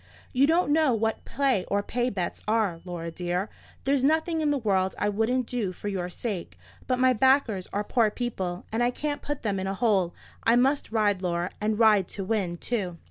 You don't know what play or pay bets are, Laura dear. There's nothing in the world I wouldn't do for your sake; but my backers are poor people, and I can't put them in a hole. I must ride, Laura, and ride to win, too."